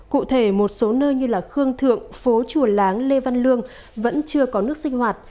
cụ thể một số nơi như khương thượng phố chùa láng lê văn lương vẫn chưa có nước sinh hoạt